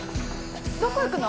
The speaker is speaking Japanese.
どこ行くの？